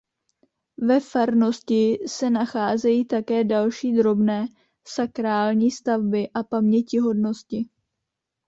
Ve farnosti se nacházejí také další drobné sakrální stavby a pamětihodnosti.